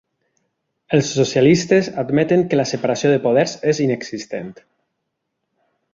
Els socialistes admeten que la separació de poders és inexistent